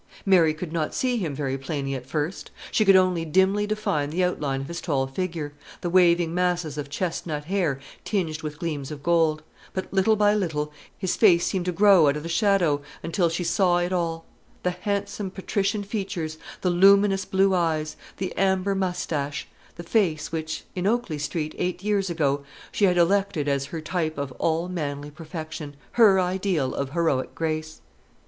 Mary could not see him very plainly at first. She could only dimly define the outline of his tall figure, the waving masses of chestnut hair tinged with gleams of gold; but little by little his face seemed to grow out of the shadow, until she saw it all, the handsome patrician features, the luminous blue eyes, the amber moustache, the face which, in Oakley Street eight years ago, she had elected as her type of all manly perfection, her ideal of heroic grace.